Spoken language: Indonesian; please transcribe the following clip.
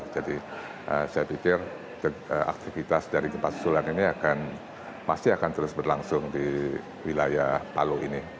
jadi saya pikir aktivitas dari gempa susulan ini akan masih akan terus berlangsung di wilayah palu ini